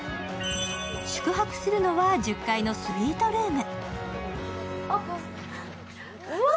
宿泊するのは１０階のスイートルーム。